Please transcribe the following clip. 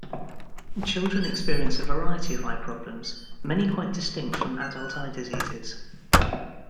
Children experience a variety of eye problems, many quite distinct from adult eye diseases.